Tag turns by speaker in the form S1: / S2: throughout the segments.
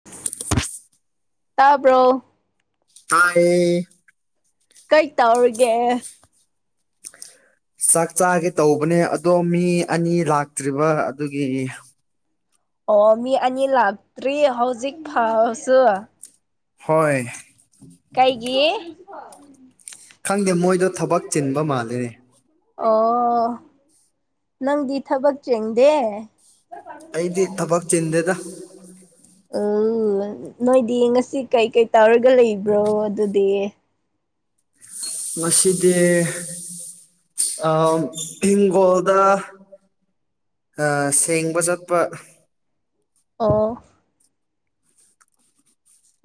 S1: [inaudible]
S2: ꯇꯥꯕ꯭ꯔꯣ
S1: ꯇꯥꯢꯌꯦ꯫
S2: ꯀꯔꯤ ꯇꯧꯔꯤꯒꯦ꯫
S1: ꯆꯥꯛ ꯆꯥꯒꯦ ꯇꯧꯕꯅꯦ ꯑꯗꯣ ꯃꯤ ꯑꯅꯤ ꯂꯥꯛꯇ꯭ꯔꯤꯕ ꯑꯗꯨꯒꯤ
S2: ꯑꯣ ꯃꯤ ꯑꯅꯤ ꯂꯥꯛꯇ꯭ꯔꯤ ꯍꯧꯖꯤꯛ ꯐꯁꯨ
S1: ꯍꯣꯏ
S2: ꯀꯩꯒꯤ꯫
S1: ꯈꯪꯗꯦ ꯃꯣꯏꯗꯣ ꯊꯕꯛ ꯆꯤꯟꯕ ꯃꯥꯜꯂꯤꯅꯦ꯫
S2: ꯑꯣ ꯅꯪꯗꯤ ꯊꯕꯛ ꯆꯦꯡꯗꯦ꯫
S1: ꯑꯩꯗꯤ ꯊꯕꯛ ꯆꯤꯟꯗꯦꯗ
S2: ꯎꯝ ꯅꯣꯏꯗꯤ ꯉꯁꯤ ꯀꯩꯀꯩ ꯇꯧꯔꯒ ꯂꯩꯕ꯭ꯔꯣ ꯑꯗꯨꯗꯤ
S1: ꯉꯗꯤ ꯍꯦꯡꯒꯣꯜꯗ ꯁꯦꯡꯕ ꯆꯠꯄ
S2: ꯑꯣ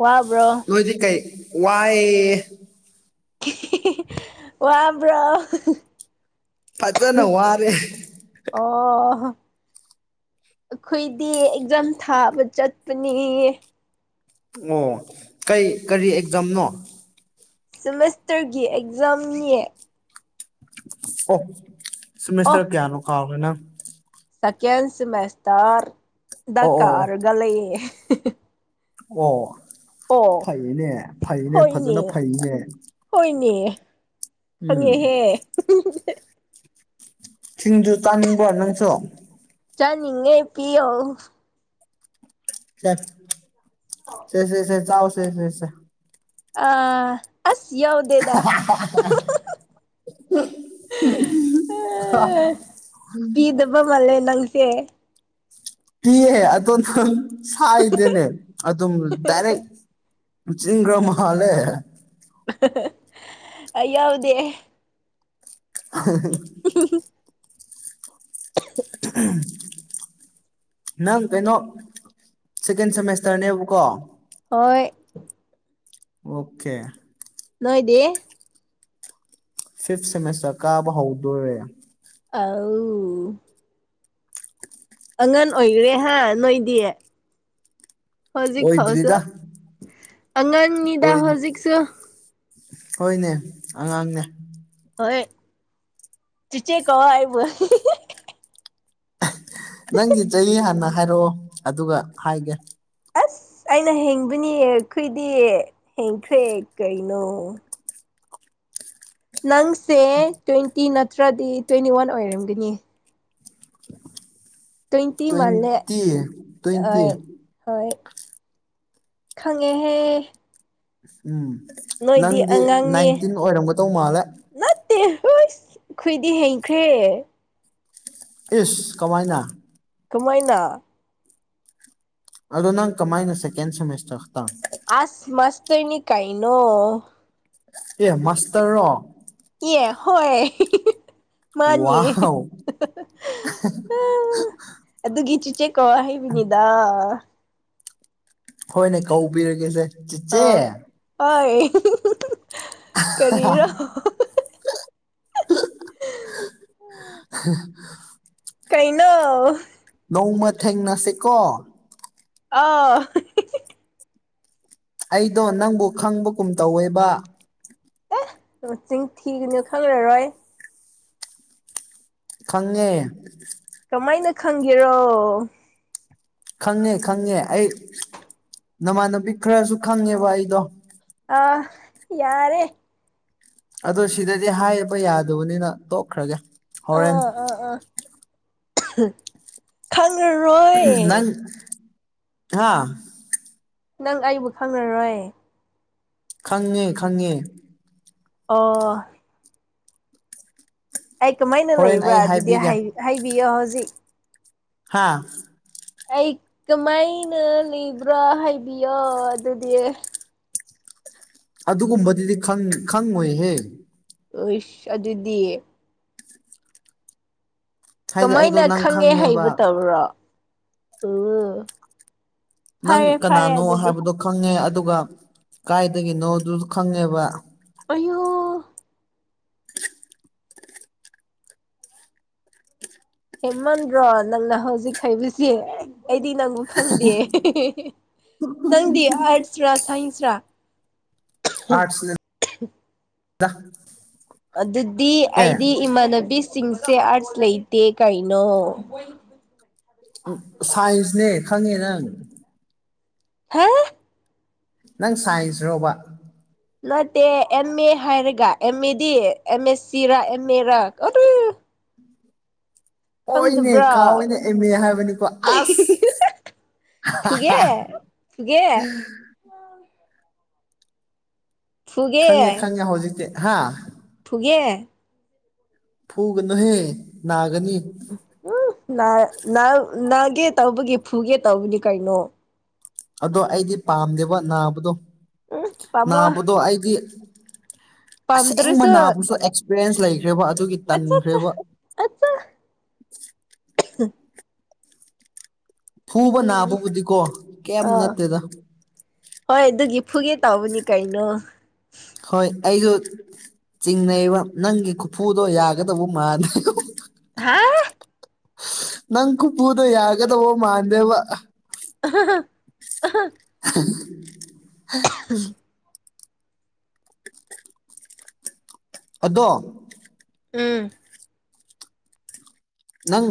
S2: ꯋꯥꯕ꯭ꯔꯣ
S1: ꯅꯣꯏꯗꯤ ꯀꯩ ꯋꯥꯏ
S2: ꯋꯥꯕ꯭ꯔꯣ
S1: ꯐꯖꯅ ꯋꯥꯔꯦ꯫
S2: ꯑꯣ ꯑꯣ ꯑꯩꯈꯣꯏꯗꯤ ꯑꯦꯛꯖꯥꯝ ꯊꯥꯕ ꯆꯠꯄꯅꯦ꯫
S1: ꯑꯣ ꯀꯩ ꯀꯔꯤ ꯑꯦꯛꯖꯥꯝꯅꯣ꯫
S2: ꯁꯦꯃꯦꯁꯇꯔꯒꯤ ꯑꯦꯛꯖꯥꯝꯅꯤ꯫
S1: ꯑꯣ ꯁꯤꯁꯇꯔ ꯀꯌꯥꯅꯣ ꯈꯥꯔꯦꯅ꯫
S2: ꯁꯀꯦꯟ ꯁꯃꯦꯁꯇꯔꯗ
S1: ꯑꯣ ꯑꯣ ꯑꯣ
S2: ꯀꯔꯒ ꯂꯩꯌꯦ꯫
S1: ꯑꯣ
S2: ꯑꯣ
S1: ꯐꯩꯅꯦ ꯐꯩꯅꯦ ꯐꯖꯅ
S2: ꯍꯣꯏꯅꯦ
S1: ꯐꯩꯅꯦ꯫
S2: ꯍꯣꯏꯅꯦ
S1: ꯎꯝ
S2: ꯈꯪꯉꯦꯍꯦ
S1: ꯁꯤꯡꯗꯨ ꯆꯥꯅꯤꯡꯕꯔꯣ ꯅꯪꯁꯨ
S2: ꯆꯥꯅꯤꯡꯉꯦ ꯄꯤ ꯌꯣ꯫
S1: ꯁꯦ ꯁꯦ ꯆꯥꯎ ꯁꯦ ꯁꯦ
S2: ꯑ ꯑꯁ ꯌꯧ
S1: [inaudible] [inaudible]
S2: ꯄꯤꯗꯕ ꯃꯥꯜꯂꯦ ꯅꯪꯁꯦ
S1: ꯄꯤꯌꯦ ꯑꯗꯣ ꯅꯪ ꯁꯥꯏꯗꯅꯦ ꯑꯗꯨꯝ ꯗꯥꯏꯔꯦꯛ ꯆꯤꯡꯒ꯭ꯔ ꯃꯥꯥꯂꯦ꯫
S2: ꯑꯩ ꯌꯥꯎꯗꯦ꯫
S1: [inaudible]
S2: [inaudible]
S1: ꯑꯍꯝ ꯅꯪ ꯀꯩꯅꯣ ꯁꯦꯀꯦꯟ ꯁꯦꯃꯦꯁꯇꯔꯅꯦꯕꯀꯣ꯫
S2: ꯍꯣꯏ
S1: ꯑꯣꯀꯦ
S2: ꯅꯣꯏꯗꯤ
S1: ꯐꯤꯐ ꯁꯦꯃꯤꯁꯇꯔ ꯀꯥꯕ ꯍꯧꯗꯣꯔꯔꯦ꯫
S2: ꯑꯥꯎ ꯑꯉꯟ ꯑꯣꯏꯈ꯭ꯔꯦꯍ ꯅꯣꯏꯗꯤ ꯍꯧꯖꯤꯛ ꯐꯥꯎꯁꯨ
S1: ꯑꯣꯏꯗ꯭ꯔꯤꯗ
S2: ꯑꯉꯥꯡꯅꯤꯗ
S1: ꯑꯣꯏꯗ꯭ꯔꯤ
S2: ꯍꯧꯖꯤꯛꯁꯨ꯫
S1: ꯍꯣꯏꯅꯦ ꯑꯉꯥꯡꯅꯦ
S2: ꯍꯣꯏ ꯇꯆꯦ ꯀꯥꯏꯕ
S1: ꯅꯪꯒꯤ ꯆꯍꯤ ꯍꯥꯟꯅ ꯍꯥꯏꯔꯛꯑꯣ ꯑꯗꯨꯒ ꯍꯥꯏꯒꯦ
S2: ꯑꯁ ꯑꯩꯅ ꯍꯦꯡꯕꯅꯤ ꯑꯩꯈꯏꯗꯤ ꯍꯦꯡꯈ꯭ꯔꯦ ꯀꯩꯅꯣ ꯅꯪꯁꯦ ꯇ꯭ꯋꯦꯟꯇꯤ ꯅꯠꯇ꯭ꯔꯗꯤ ꯇ꯭ꯋꯦꯟꯇꯤ ꯋꯥꯟ ꯑꯣꯏꯔꯝꯒꯅꯤ ꯇꯣꯏꯇꯤ ꯃꯂ
S1: ꯇ꯭ꯋꯦꯟꯇꯤ
S2: ꯑ
S1: ꯇ꯭ꯋꯦꯟꯇꯤ
S2: ꯍꯣꯏ ꯈꯪꯉꯦꯍꯦ
S1: ꯎꯝ
S2: ꯅꯣꯏꯗꯤ
S1: ꯅꯪꯗꯤ
S2: ꯑꯉꯥꯡꯅꯤ
S1: ꯅꯥꯏꯟꯇꯤꯟ ꯑꯣꯏꯔꯝꯒꯗꯧ ꯃꯥꯜꯂꯦ
S2: ꯅꯠꯇꯦ ꯍꯣ꯭ꯏꯁ ꯈꯨꯏꯗꯤ ꯍꯩꯈ꯭ꯔꯦ
S1: ꯏꯁ ꯀꯃꯥꯏꯅ
S2: ꯀꯃꯅꯥ
S1: ꯑꯗꯣ ꯅꯪ ꯀꯃꯥꯏꯅ ꯁꯦꯀꯦꯟ ꯁꯦꯃꯤꯁꯇꯔ ꯈꯛꯇꯪ
S2: ꯑꯁ ꯃꯁ ꯇꫪꯅꯤ ꯀꯩꯏꯅꯣ
S1: ꯑꯦꯃꯥꯁꯇꯔꯣ
S2: ꯑꯦ ꯍꯣꯏ ꯍꯤꯍꯤꯍꯤ ꯃꯥꯅꯤ
S1: ꯋꯥꯎ
S2: ꯑꯗꯨꯒꯤ ꯎꯆꯦꯀꯣ ꯍꯥꯏꯅꯤꯗꯥ
S1: ꯍꯣꯏꯅꯦ ꯀꯧꯕꯤꯔꯒꯦꯁꯦ
S2: ꯑꯥ
S1: ꯆꯤꯆꯦ
S2: ꯍꯣꯏ ꯀꯔꯤꯔꯣ
S1: ꯎ ꯎ
S2: ꯀꯩꯅꯩꯅ
S1: ꯅꯣꯡꯃ ꯊꯦꯡꯅꯁꯤꯀꯣ
S2: ꯑꯥ [unintelligible]
S1: ꯑꯩꯗꯣ ꯅꯪꯕꯨ ꯈꯪꯕꯒꯨꯝ ꯇꯧꯋꯦꯕ꯫
S2: ꯆꯤꯡ ꯊꯤꯒꯅꯤ ꯈꯪꯔꯔꯣꯏ
S1: ꯈꯪꯉꯦ
S2: ꯀꯃꯥꯏꯅ ꯈꯪꯒꯦꯔꯣ꯫
S1: ꯈꯪꯉꯦ ꯈꯪꯉꯦ ꯑꯩ ꯅꯃꯥꯟꯅꯕꯤ ꯈꯔꯁꯨ ꯈꯪꯉꯦꯕ ꯑꯩꯗꯣ
S2: ꯥꯑꯥ ꯌꯥꯔꯦ꯫
S1: ꯑꯗꯣ ꯁꯤꯗꯗꯤ ꯍꯥꯏꯕ ꯌꯥꯗꯕꯅꯤꯅ ꯇꯣꯛꯈ꯭ꯔꯒꯦ ꯍꯣꯔꯦꯟ
S2: ꯑꯥꯥ ꯑꯥ ꯑꯥ ꯈꯪꯉꯔꯣꯏ
S1: ꯅꯪ ꯍꯥꯥ
S2: ꯅꯪ ꯑꯩꯕꯨ ꯈꯪꯔꯔꯣꯏ
S1: ꯈꯪꯉꯦ ꯈꯪꯉꯦ
S2: ꯑꯣ ꯑꯩ ꯀꯃꯥꯏꯅ
S1: ꯍꯣꯔꯦꯟ
S2: ꯂꯩꯕ꯭ꯔꯥ
S1: ꯑꯩ
S2: ꯑꯗꯨꯗꯤ
S1: ꯍꯥꯏꯕꯤꯒꯦ
S2: ꯍꯥꯏꯕꯤꯌꯣ ꯍꯧꯖꯤꯛ
S1: ꯍꯥꯥ
S2: ꯑꯩ ꯀꯃꯥꯏꯅ ꯂꯩꯕ꯭ꯔꯥ ꯍꯥꯏꯕꯤꯌꯣ ꯑꯗꯨꯗꯤ꯫
S1: ꯑꯗꯨꯒꯨꯝꯕꯗꯨꯗꯤ ꯈꯪꯉꯣꯏꯍꯦ
S2: ꯑꯣꯏꯁ ꯑꯗꯨꯗꯤ
S1: ꯍꯥꯏꯗꯤ ꯑꯩꯗꯣ
S2: ꯀꯃꯥꯏꯅ
S1: ꯅꯪ
S2: ꯈꯪꯉꯦ ꯍꯩꯕ
S1: ꯈꯪꯉꯦꯕ
S2: ꯇꯧꯔꯣ ꯎ ꯐꯔꯦ
S1: ꯅꯪ
S2: ꯐꯔꯦ
S1: ꯀꯅꯥꯅꯣ
S2: ꯑꯗꯨꯗꯤ
S1: ꯍꯥꯏꯕꯗꯣ ꯈꯪꯉꯦ ꯑꯗꯨꯒ ꯀꯥꯏꯗꯒꯤꯅꯣꯗꯨꯁꯨ ꯈꯪꯉꯦꯕ
S2: ꯑꯌꯣ꯫ ꯍꯦꯃꯟꯗ꯭ꯔꯣ ꯅꯪꯅ ꯍꯧꯖꯤꯛ ꯍꯥꯏꯩꯕꯁꯤ ꯑꯩꯗꯤ ꯅꯪꯕꯨ ꯈꯪꯗꯦ ꯅꯪꯗꯤ ꯑꯥꯔꯠꯁꯔꯥ ꯁꯥꯏꯟꯁꯔꯥ
S1: ꯑꯁ
S2: ꯑꯗꯨꯗꯤ ꯑꯩꯗꯤ ꯏꯃꯥꯟꯅꯕꯤꯁꯤꯡꯁꯦ ꯑꯥꯔꯠꯁ ꯂꯩꯇꯦ ꯀꯩꯅꯣ
S1: ꯎ ꯁꯥꯏ꯭ꯟꯁ ꯅꯦ ꯈꯪꯉꯦ ꯅꯪ꯫
S2: [unintelligible]
S1: ꯅꯪ ꯁꯥꯏꯖ ꯔꯣꯕ
S2: ꯅꯠꯇꯦ ꯑꯦꯝ ꯑꯦ ꯍꯥꯏꯔꯒ ꯑꯦꯝ ꯑꯦꯗꯤ ꯑꯦꯝ ꯑꯦꯁ ꯁꯤꯔ ꯑꯦꯝ ꯑꯦꯔ
S1: ꯑꯣꯏꯅꯦ
S2: ꯈꯪꯗꯕ꯭ꯔꯥ
S1: ꯀꯥꯎꯏꯅ ꯑꯦꯝꯃꯦ ꯍꯥꯏꯕꯅꯤꯀꯣ ꯑꯁ
S2: ꯐꯨꯒꯦ ꯐꯨꯒꯦ
S1: [unintelligible]
S2: ꯐꯨꯒꯦ
S1: ꯈꯪꯉꯦ ꯈꯪꯉꯦ ꯍꯧꯖꯤꯛꯇꯤ ꯍꯥ
S2: ꯐꯨꯒꯦ
S1: ꯐꯨꯒꯅꯨꯍꯦ ꯅꯥꯒꯅꯤ
S2: ꯎ ꯅꯥ ꯅꯥꯎ ꯅꯥꯒꯦ ꯇꯧꯕꯒꯤ ꯐꯨꯒꯦ ꯇꯧꯕꯅꯤ ꯀꯩꯅꯣ꯫
S1: ꯑꯗꯣ ꯑꯩꯗꯤ ꯄꯥꯝꯗꯦꯕ ꯅꯥꯕꯗꯣ
S2: ꯎꯝ ꯄꯥꯝꯃꯣꯏ
S1: ꯅꯥꯕꯗꯣ ꯑꯩꯗꯤ꯫ ꯑꯁꯦꯡꯕ
S2: ꯄꯥꯝꯗ꯭ꯔꯁꯨ
S1: ꯅꯥꯕꯨꯁꯨ ꯑꯦꯛꯁꯄꯤꯔꯦꯟꯁ ꯂꯩꯈ꯭ꯔꯦꯕ ꯑꯗꯨꯒꯤ
S2: ꯑꯆꯥ ꯑꯆꯥ
S1: ꯇꯟꯈ꯭ꯔꯦꯕ
S2: ꯑꯆꯥ
S1: ꯐꯨꯕ
S2: ꯏꯪ
S1: ꯅꯥꯕꯕꯨꯗꯤꯀꯣ ꯀꯩꯝ
S2: ꯑꯥ
S1: ꯅꯠꯇꯦꯗ꯫
S2: ꯍꯣꯏ ꯑꯗꯨꯒꯤ ꯐꯨꯒꯦ ꯇꯥꯎꯧꯕꯅꯤ ꯀꯩꯅꯣ
S1: ꯍꯣꯏ ꯑꯩꯁꯨ ꯆꯤꯡꯅꯩꯕ ꯅꯪꯒꯤ ꯈꯨꯐꯨꯗꯣ ꯌꯥꯒꯗꯕ ꯃꯥꯥꯟ
S2: [unintelligible]
S1: ꯅꯪ ꯀꯨ ꯄꯨꯗ ꯌꯥꯒꯗꯕ ꯃꯥꯥꯟꯗꯦꯕ [unintelligible]
S2: [unintelligible]
S1: ꯑꯗꯣ
S2: ꯎꯝ
S1: ꯅꯪ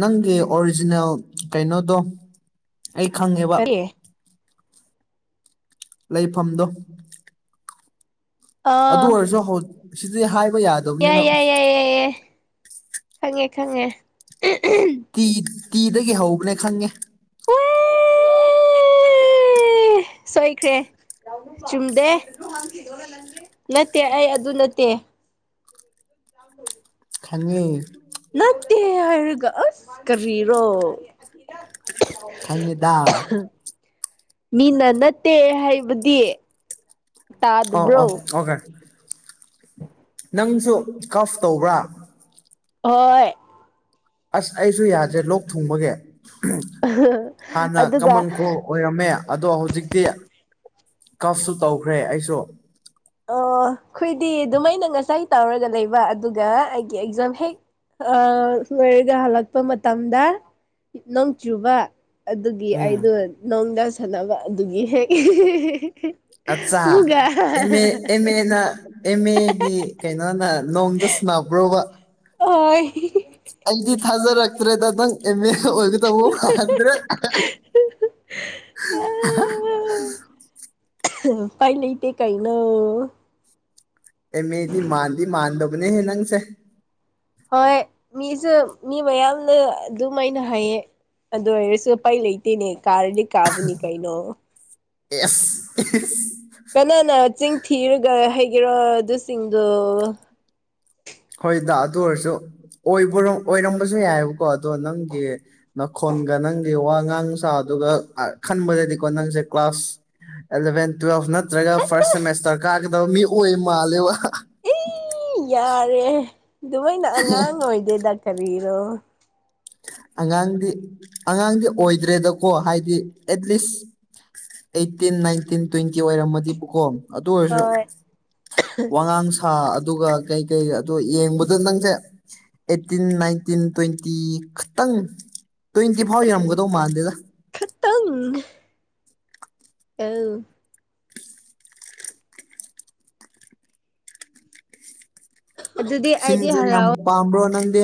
S1: ꯅꯪꯒꯤ ꯑꯣꯔꯤꯖꯤꯅꯦꯜ ꯀꯩꯅꯣꯗꯣ ꯑꯩ ꯈꯪꯉꯦꯕ꯫
S2: ꯀꯔꯤ
S1: ꯂꯩꯐꯝꯗꯣ
S2: ꯑꯣ
S1: ꯑꯗꯨ ꯑꯣꯏꯔꯁꯨ ꯍꯧ ꯁꯤꯗꯤ ꯍꯥꯏꯕ ꯌꯥꯗꯦ
S2: ꯌꯥꯏ ꯌꯥꯏ ꯌꯥꯏ ꯌꯥꯏ ꯌꯥꯏ ꯈꯪꯉꯦ ꯈꯪꯉꯦ [unintelligible]
S1: ꯇꯤ ꯇꯤꯗꯒꯤ ꯍꯧꯕꯅꯦ ꯈꯪꯉꯦ꯫
S2: [unintelligible] ꯑꯦ ꯁꯣꯏꯈ꯭ꯔꯦ ꯆꯨꯝꯗꯦ ꯅꯠꯇꯦ ꯑꯩ ꯑꯗꯨ ꯅꯠꯇꯦ꯫ [unintelligible]
S1: ꯈꯪꯉꯤ
S2: ꯅꯠꯇꯦ ꯍꯥꯏꯔꯒ ꯑꯁ ꯀꯔꯤꯔꯣ
S1: ꯈꯪꯉꯤꯗ
S2: ꯃꯤꯅ ꯅꯠꯇꯦ ꯍꯥꯏꯕꯗꯤ
S1: ꯑꯥꯎ
S2: ꯇꯥꯗꯕ꯭ꯔꯣ
S1: ꯑꯧ ꯑꯣꯀꯦ ꯅꯪꯁꯨ ꯀꯐ ꯇꯧꯕ꯭ꯔꯥ꯫
S2: ꯍꯣꯏ
S1: ꯑꯁ ꯑꯩꯁꯨ ꯌꯥꯗ꯭ꯔꯦ ꯂꯣꯛ ꯊꯨꯡꯕꯒꯤ ꯍꯥꯟꯅ
S2: ꯑꯗꯨꯒ
S1: ꯀꯃꯟꯀꫭꯜ ꯑꯣꯏꯔꯝꯃꯦ ꯑꯗꯣ ꯍꯧꯖꯤꯛꯇꯤ ꯀꯞꯁꯨ ꯇꯧꯈ꯭ꯔꯦ ꯑꯩꯁꯨ
S2: ꯑꯣ ꯑꯩꯈꯣꯏꯗꯤ ꯑꯗꯨꯃꯥꯏꯅ ꯉꯁꯥꯏ ꯇꯥꯎꯔꯒ ꯂꯩꯕ ꯑꯗꯨꯒ ꯑꯩꯒꯤ ꯑꯦꯛꯖꯥꯝ ꯍꯦꯛ ꯑ ꯂꯣꯏꯔꯒ ꯍꯜꯂꯛꯄ ꯃꯇꯝꯗ ꯅꯣꯡ ꯆꯨꯕ ꯑꯗꯨꯒꯤ
S1: ꯎꯝ
S2: ꯑꯩꯗꯣ ꯅꯣꯡꯗ ꯁꯥꯟꯅꯕ ꯑꯗꯨꯒꯤ ꯍꯦꯛ
S1: ꯑꯠꯆꯥ ꯑꯦꯝ ꯑꯦ
S2: [unintelligible] [unintelligible]
S1: ꯑꯦꯝ ꯑꯦꯅ ꯑꯦꯝ ꯑꯦꯒꯤ ꯀꯩꯅꯣꯅ ꯅꯣꯡꯗ ꯁꯥꯟꯅꯕ꯭ꯔꯣꯕ
S2: ꯑꯣꯏ
S1: ꯑꯩꯗꯤ ꯊꯥꯖꯔꯛꯇ꯭ꯔꯦꯗ ꯅꯪ ꯑꯦꯝ ꯑꯦ ꯑꯣꯏꯒꯗꯧꯕ ꯃꯥꯟꯗ꯭ꯔꯦ [unintelligible] [unintelligible]
S2: ꯎꯄꯥꯏ ꯂꯩꯇꯦ ꯀꯩꯏꯅꯣ
S1: ꯑꯦꯃꯦꯗꯤ ꯃꯥꯟꯗꯤ ꯃꯥꯟꯗꯕꯅꯦꯍꯦ ꯅꯪꯁꯦ
S2: ꯍꯣꯏ ꯃꯤꯁꯨ ꯃꯤ ꯃꯌꯥꯝꯅ ꯑꯗꯨꯝꯃꯥꯏꯅ ꯍꯥꯏꯌꯦ ꯑꯗꯨ ꯑꯣꯏꯔꯁꯨ ꯎꯄꯥꯏ ꯂꯩꯇꯦꯅꯦ ꯀꯥꯔꯗꯤ ꯀꯥꯕꯅꯤ ꯀꯩꯅꯣ
S1: ꯑꯦ
S2: ꯀꯅꯥꯅ ꯆꯤꯟ ꯊꯤꯔꯒ ꯍꯩꯒꯦꯔꯣ ꯑꯗꯨꯁꯤꯡꯗꯣ
S1: ꯈꯣꯏꯗ ꯑꯗꯨ ꯑꯣꯏꯔꯁꯨꯕ ꯑꯣꯏꯔꯝꯕꯁꯨ ꯌꯥꯏꯑꯕꯀꯣ ꯑꯗꯣ ꯅꯪꯒꯤ꯫ ꯅꯈꯣꯟꯒ ꯅꯪꯒꯤ ꯋꯥ ꯉꯥꯡ ꯁꯥ ꯑꯗꯨꯒꯒ ꯈꯟꯕꯗꯗꯤꯀꯣ ꯅꯪꯁꯦ ꯀ꯭ꯂꯥꯁ ꯑꯦꯂꯚꯦꯟ ꯇꯨꯋꯦꯜꯐ ꯅꯠꯇ꯭ꯔꯒ
S2: ꯑꯁ
S1: ꯐꯥꯔꯁ ꯁꯦꯃꯦꯁꯇꯔ ꯀꯥꯒꯗꯕ ꯃꯤ ꯑꯣꯏ ꯃꯥꯜꯂꯦꯕ
S2: ꯑꯩ ꯌꯥꯔꯦ ꯗꯨꯃꯥꯏꯅ ꯑꯉꯥꯡ ꯑꯣꯏꯗꯦꯗ ꯀꯔꯤꯔꯣ꯫
S1: ꯑꯉꯥꯡꯗꯤ ꯑꯉꯥꯡꯗꯤ ꯑꯣꯏꯗ꯭ꯔꯦꯗꯀꯣ ꯍꯥꯏꯗꯤ ꯑꯦꯠꯂꯤꯁ ꯑꯩꯠꯇꯤꯟ ꯅꯥꯏꯟꯇꯤꯟ ꯇ꯭ꯋꯦꯟꯇꯤ ꯑꯣꯏꯔꯝꯃꯗꯤꯕꯀꯣ ꯑꯗꯨ
S2: ꯍꯣꯏ
S1: ꯑꯣꯏꯔꯁꯨ꯫ ꯋꯥꯉꯥꯡ ꯁꯥ ꯑꯗꯨꯒ ꯀꯩꯀꯩ ꯑꯗꯣ ꯌꯦꯡꯕꯗ ꯅꯪꯁꯦ꯫ ꯑꯩꯠꯇꯤꯟ ꯅꯥꯏꯟꯇꯤꯟ ꯇ꯭ꯋꯦꯟꯇꯤ ꯈꯇꯪ ꯇ꯭ꯋꯦꯟꯇꯤ ꯐꯥꯎ ꯌꯔꯝꯒꯗꯧ ꯃꯥꯟꯗꯦꯗ
S2: ꯈꯥꯇꯪ ꯑꯧ꯫ ꯑꯗꯨꯗꯤ ꯑꯩꯗꯤ
S1: ꯁꯤꯡꯖꯨ ꯌꯥꯝ
S2: ꯍꯔꯥꯎ
S1: ꯄꯥꯝꯕ꯭ꯔꯣ ꯅꯪꯗꯤ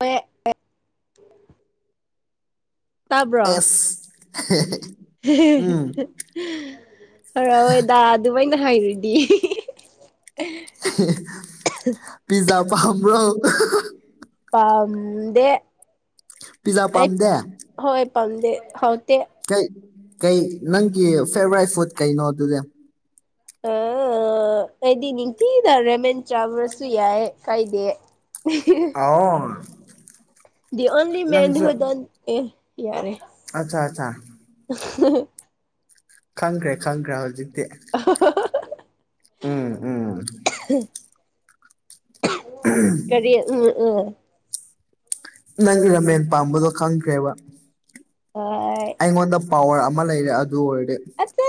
S2: ꯍ
S1: ꯑꯦꯁ ꯑꯍ ꯑꯍ꯫
S2: ꯍꯔꯑꯣꯏ ꯗꯥ ꯑꯗꯨꯃꯥꯏꯅ ꯍꯥꯏꯔꯨꯗꯤ
S1: ꯍꯦ ꯄꯤꯖꯥ ꯄꯝꯕ꯭ꯔꯣ [unintelligible]
S2: ꯄꯝꯗꯦ
S1: ꯄꯤꯖꯥ ꯄꯥꯝꯗꯦ꯫
S2: ꯍꯣꯏ ꯄꯥꯝꯗꯦ ꯍꯥꯎꯇꯦ
S1: ꯀꯩ ꯀꯩ ꯅꯪꯒꯤ ꯐꯦꯕꯣꯔꯥꯏꯠ ꯐꯨꯗ ꯀꯩꯅꯣ ꯑꯗꯨꯗꯤ
S2: ꯑ ꯑꯩꯗꯤ ꯅꯤꯡꯊꯤꯅ ꯔꯦꯃꯦꯟ ꯇ꯭ꯔꯥꯕꯔꯁꯨ ꯌꯥꯏ ꯀꯥꯏꯗꯦ
S1: ꯑꯥꯎꯝ
S2: ꯑꯣꯟꯂꯤ ꯃꯦꯟꯗꯤ ꯍꯗ ꯑꯦ ꯌꯥꯔꯦ
S1: ꯑꯆꯥ ꯑꯆꯥ
S2: [unintelligible]
S1: ꯈꯪꯈ꯭ꯔꯦ ꯈꯪꯈ꯭ꯔꯦ ꯍꯧꯖꯤꯛꯇꯤ ꯎꯝ ꯎꯝ꯫
S2: ꯀꯔꯤ ꯎꯝ ꯎꯝ
S1: ꯅꯪꯒꯤ ꯔꯃꯦꯟ ꯄꯥꯝꯕꯗꯣ ꯈꯪꯈ꯭ꯔꯦꯕ꯫
S2: ꯍꯥꯏ
S1: ꯑꯩꯉꯣꯟꯗ ꯄꯋꯥꯔ ꯑꯃ ꯂꯩꯔꯦ ꯑꯗꯨ ꯑꯣꯏꯔꯗꯤ
S2: ꯑꯆ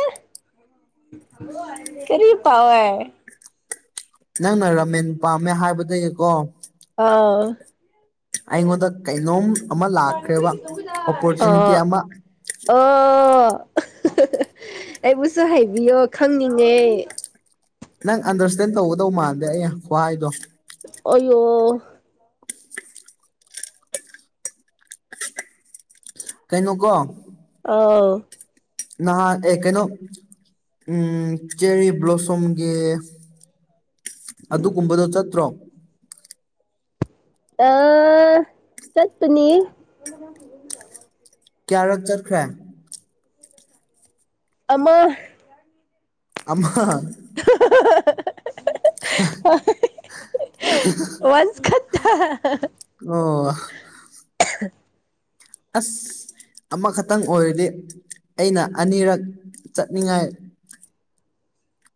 S2: ꯀꯔꯤ ꯄꯋꯥ
S1: ꯅꯪꯅ ꯔꯥꯃꯦꯟ ꯄꯥꯝꯃꯦ ꯍꯥꯏꯕꯗꯒꯤꯀꯣ
S2: ꯑꯥꯎ
S1: ꯑꯩꯉꯣꯟꯗ ꯀꯩꯅꯣꯝ ꯑꯃ ꯂꯥꯛꯈ꯭ꯔꯦꯕ ꯑꯣꯄꯣꯔꯆꯨꯅꯤꯇꯤ
S2: ꯑꯥ
S1: ꯑꯃ
S2: ꯑꯣ ꯑꯍꯥ ꯑꯍꯥ ꯑꯩꯕꯨꯁꯨ ꯍꯥꯏꯕꯤꯌꯣ ꯈꯪꯅꯤꯡꯉꯦ꯫
S1: ꯅꯪ ꯑꯟꯗꯔꯁꯇꯦꯟ ꯇꯧꯒꯗꯧ ꯃꯥꯟꯗꯦ ꯑꯩꯩꯅ ꯈꯨ ꯍꯥꯏꯗꯣ꯫
S2: ꯑꯣꯌꯌꯣ
S1: ꯀꯩꯅꯣ ꯀꯣ
S2: ꯑꯥꯎ
S1: ꯅꯍꯥꯟ ꯑꯦ ꯀꯩꯅꯣ꯫ ꯎꯝ ꯆꯦꯔꯤ ꯕ꯭ꯂꯣꯁꯨꯝꯒꯤ ꯑꯗꯨꯒꯨꯝꯕꯗꯣ ꯆꯠꯇ꯭ꯔꯣ
S2: ꯑ ꯆꯠꯄꯅꯤ ꯃ ꯍꯗ
S1: ꯀꯌꯥꯔꯠ ꯆꯠꯈ꯭ꯔꯦ
S2: ꯑꯃ
S1: ꯑꯃ
S2: ꯋꯥꯟꯁ ꯈꯠꯇ
S1: ꯑꯣ ꯑꯁ ꯑꯃꯈꯛꯇꯪ ꯑꯣꯏꯔꯗꯤ ꯑꯩꯅ ꯑꯅꯤꯔꯛ ꯆꯠꯅꯤꯡꯉꯥꯏ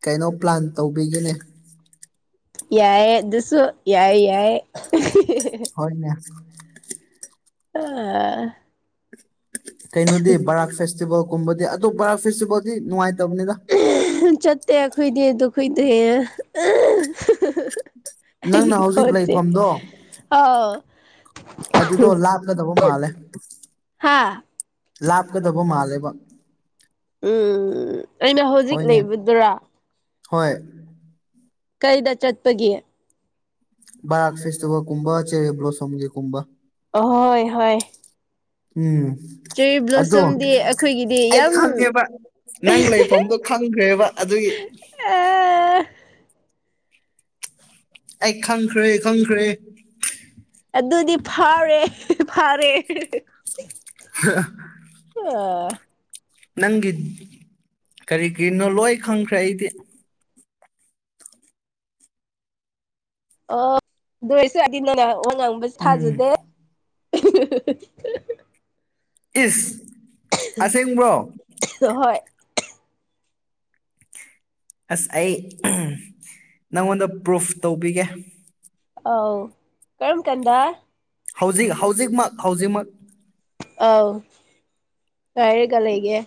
S1: ꯀꯩꯅꯣ ꯄ꯭ꯂꯥꯟ ꯇꯧꯕꯤꯒꯤꯅꯦ
S2: ꯌꯥꯏꯌꯦ ꯑꯗꯨꯁꯨ ꯌꯥꯏ ꯌꯥꯏ
S1: ꯍꯣꯏꯅꯦ
S2: [unintelligible]
S1: ꯀꯩꯅꯣꯗꯤ ꯕꯔꯥꯛ ꯐꯦꯁꯇꯤꯚꯦꯜꯒꯨꯝꯕꯗꯤ ꯑꯗꯨꯣ ꯕꯔꯥꯛ ꯐꯦꯁꯇꯤꯚꯦꯜꯗꯤ ꯅꯨꯡꯉꯥꯏꯇꯕꯅꯤꯗ
S2: ꯆꯠꯇꯦ ꯈꯣꯏꯗꯦ ꯑꯗꯨ ꯈꯣꯏꯗꯦꯌꯦꯦ ꯑꯩ
S1: ꯅꯪꯅ ꯍꯧꯖꯤꯛ
S2: ꯀꯁꯦ
S1: ꯂꯩꯐꯝꯗꯣ
S2: ꯑꯥꯎ
S1: ꯑꯗꯨꯗꯣ ꯂꯥꯞꯀꯗꯕ ꯃꯥꯜꯂꯦ
S2: ꯍꯥ
S1: ꯂꯥꯞꯀꯗꯕ ꯃꯥꯜꯂꯦꯕ
S2: ꯎꯝ ꯑꯩꯅ ꯍꯧꯖꯤꯛ
S1: ꯍꯣꯏꯅꯦ
S2: ꯂꯩꯕꯗꯨꯔꯥ
S1: ꯍꯣꯏ
S2: ꯀꯩꯗ ꯆꯠꯄꯒꯦ
S1: ꯔꯛ ꯐꯦꯁꯇꯕ ꯀꯨꯝꯚꯥꯦ ꯕ꯭ꯂꯣꯁꯝꯒꯤꯦ ꯀꯨꯝꯕꯥ
S2: ꯑꯍꯣꯏ ꯍꯣꯏ
S1: ꯎꯝ
S2: ꯆꯦꯔꯤ
S1: ꯑꯗꯣ
S2: ꯕ꯭ꯂꯣꯁꯨꯝꯗꯤ ꯑꯩꯈꯣꯏꯒꯤꯗꯤ
S1: ꯑꯩ
S2: ꯌꯥꯝ
S1: ꯈꯪꯉꯦꯕ ꯅꯪ ꯂꯩꯐꯝꯗꯣ ꯈꯪꯈ꯭ꯔꯦꯕ ꯑꯗꯨꯒꯤ
S2: ꯑ
S1: ꯑꯩ ꯈꯪꯈ꯭ꯔꯦ ꯈꯪꯈ꯭ꯔꯦ
S2: ꯑꯗꯨꯗꯤ ꯐꯥꯎꯔꯦ ꯐꯥꯔꯦ
S1: ꯑ
S2: ꯑ
S1: ꯅꯪꯒꯤ ꯀꯔꯤ ꯀꯅꯣ ꯂꯣꯏ ꯈꯪꯈ꯭ꯔꯦ ꯑꯩꯗꯤ
S2: ꯑ ꯑꯗꯨꯔꯁꯨꯗꯤ ꯅꯅ ꯑꯣ ꯉꯥꯡꯕꯁꯨ
S1: ꯎꯝ
S2: ꯊꯥꯖꯗꯦ
S1: ꯏꯁ ꯑꯁꯦꯡꯕꯣ
S2: ꯍꯣꯏ
S1: ꯑꯁ ꯑꯩ ꯅꯪꯉꯣꯟꯗ ꯄ꯭ꯔꯨꯐ ꯇꯧꯕꯤꯒꯦ
S2: ꯑꯥꯎ ꯀꯔꯝ ꯀꯥꯟꯗ
S1: ꯍꯧꯖꯤꯛ ꯍꯧꯖꯤꯛꯃꯛ ꯍꯧꯖꯤꯛꯃꯛ
S2: ꯑꯥꯎ ꯀꯥꯏꯔꯒ ꯂꯩꯒꯦ